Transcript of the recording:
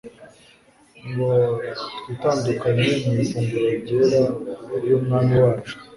ngo twitandukanye mu ifunguro ryera iy'Umwami wacu.